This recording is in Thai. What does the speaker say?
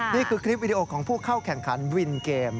นี่คือคลิปวิดีโอของผู้เข้าแข่งขันวินเกม